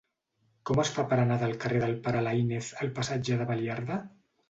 Com es fa per anar del carrer del Pare Laínez al passatge de Baliarda?